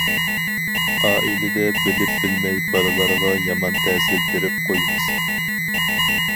ئائىلىدە بىلىپ بىلمەي بالىلارغا يامان تەسىر بېرىپ قويىمىز.